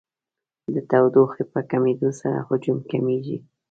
د تودوخې په کمېدو سره حجم کمیږي.